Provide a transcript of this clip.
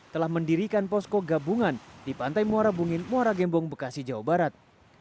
telah mendirikan posko gabungan di pantai muara bungin muara gembong bekasi jawa barat